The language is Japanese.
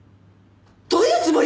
どういうつもり！？